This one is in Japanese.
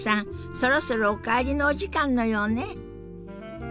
そろそろお帰りのお時間のようね。